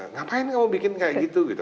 ngapain kamu bikin kayak gitu gitu